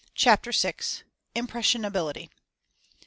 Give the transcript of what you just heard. CHAPTER VI. IMPRESSIONABILITY.